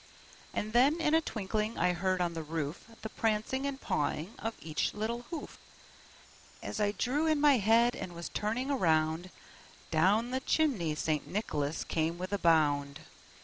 And then, in a twinkling, I heard on the roof The prancing and pawing of each little hoof. As I drew in my head, and was turning around, Down the chimney St. Nicholas came with a bound.